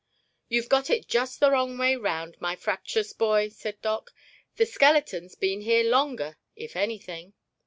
"You've got it just the wrong way round, my fraptious boy," said Doc. "The skeleton's been here longer, if anything."